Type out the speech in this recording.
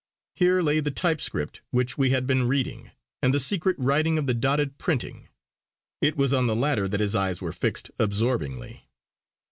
Here lay the type script which we had been reading, and the secret writing of the dotted printing. It was on the latter that his eyes were fixed absorbingly.